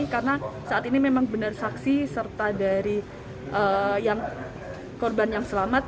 karena saat ini memang benar saksi serta dari korban yang selamat